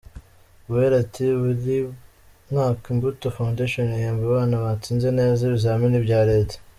Uwera ati “Buri mwaka Imbuto Foundation ihemba abana batsinze neza ibizamini bya leta.